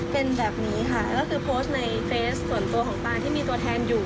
เป็นแบบนี้ค่ะก็คือโพสต์ในเฟสส่วนตัวของตานที่มีตัวแทนอยู่